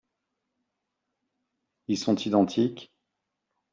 Ils sont identiques ?